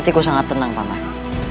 hatiku sangat tenang pamanku